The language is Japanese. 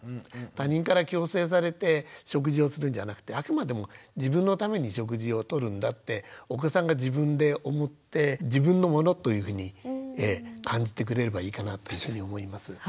他人から強制されて食事をするんじゃなくてあくまでも自分のために食事をとるんだってお子さんが自分で思って自分のものというふうに感じてくれればいいかなと思います。